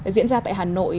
diễn ra tại hà nội